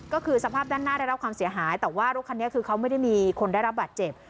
ก็คือสภาพด้านหน้าได้รับความเสียหายแต่ว่ารถคันนี้คือเขาไม่ได้มีคนได้รับบาดเจ็บ